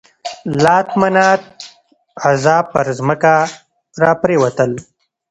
لات، منات، عزا پر ځمکه را پرېوتل.